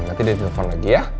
nanti dia telfon lagi ya